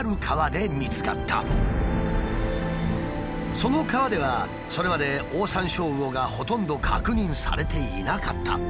その川ではそれまでオオサンショウウオがほとんど確認されていなかった。